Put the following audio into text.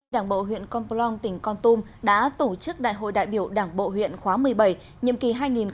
đảng bộ huyện con plong tỉnh con tum đã tổ chức đại hội đại biểu đảng bộ huyện khóa một mươi bảy nhiệm kỳ hai nghìn hai mươi hai nghìn hai mươi năm